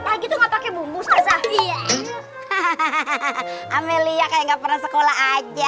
lah gitu ngak pake bumbu fazer hahaha amelia kayak nggak pernah sekolah aja